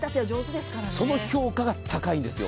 その評価が高いんですよ。